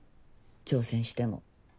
挑戦しても。